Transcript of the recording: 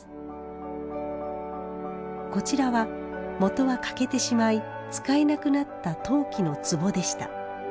こちらは元は欠けてしまい使えなくなった陶器のつぼでした。